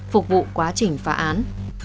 phục vụ quá trình phá án